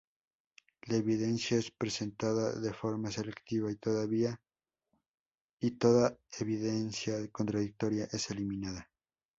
La evidencia es presentada de forma selectiva y toda evidencia contradictoria es eliminada".